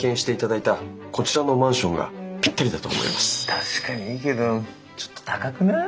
確かにいいけどちょっと高くない？